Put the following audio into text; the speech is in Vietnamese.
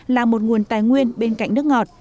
là một nguồn tài nguyên bên cạnh nước ngọt